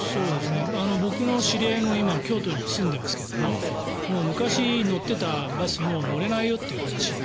僕の知り合いも今、京都に住んでますけど昔、乗っていたバスもう乗れないよという話。